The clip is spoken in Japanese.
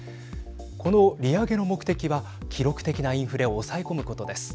この利上げの目的は記録的なインフレを抑え込むことです。